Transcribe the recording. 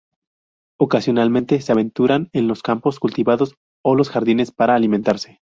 Ocasionalmente se aventuran en los campos cultivados o los jardines para alimentarse.